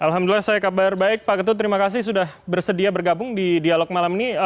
alhamdulillah saya kabar baik pak ketut terima kasih sudah bersedia bergabung di dialog malam ini